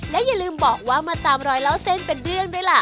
และอย่าลืมบอกว่ามาตามรอยเล่าเส้นเป็นเรื่องด้วยล่ะ